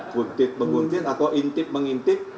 kuntip menguntip atau intip mengintip